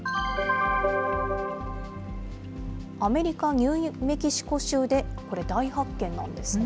アメリカ・ニューメキシコ州で、これ、大発見なんですね。